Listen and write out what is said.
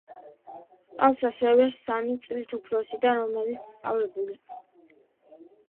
ჰყავს ასევე სამი წლით უფროსი და, რომელიც სიმღერით არის დაკავებული.